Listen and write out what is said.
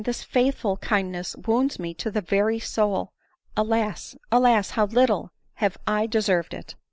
this faithful kindness wounds me to the very soul. Alas ! alas ! how little have I deserved it!"